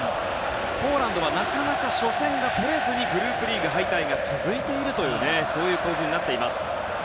ポーランドはなかなか初戦がとれずにグループリーグ敗退が続いているという構図です。